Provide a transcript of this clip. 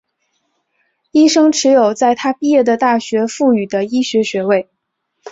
医生持有在他毕业的大学赋予的医学学位。